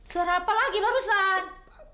suara apa lagi barusan